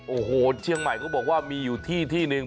โอ้โหเชียงใหม่เขาบอกว่ามีอยู่ที่ที่หนึ่ง